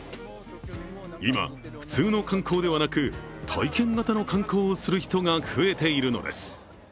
今、普通の観光ではなく、体験型の観光をする人が増えているのです。